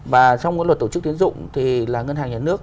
và trong cái luật tổ chức tiến dụng thì là ngân hàng nhà nước